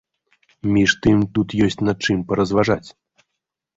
Між тым, тут ёсць на чым паразважаць.